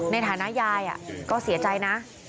ในฐานะยายก็เสียใจนะ